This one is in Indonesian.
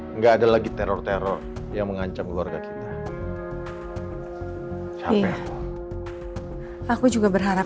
enggak ada lagi teror teror yang mengancam keluarga kita capek aku juga berharap